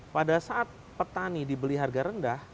pada saat petani dibeli harga rendah